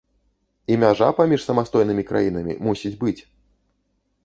І мяжа паміж самастойнымі краінамі мусіць быць.